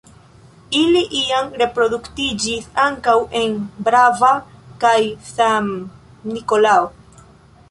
Ili iam reproduktiĝis ankaŭ en Brava kaj San-Nikolao.